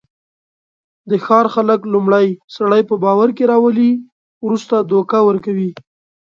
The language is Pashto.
د ښار خلک لومړی سړی په باورکې راولي، ورسته دوکه ورکوي.